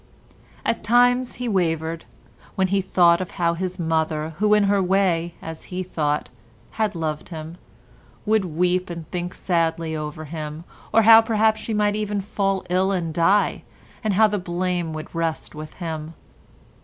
At times he wavered, when he thought of how his mother, who in her way, as he thought, had loved him, would weep and think sadly over him, or how perhaps she might even fall ill and die, and how the blame would rest with him.